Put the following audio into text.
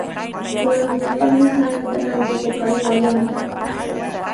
Corongopami sarata rantikuq aywayanqa.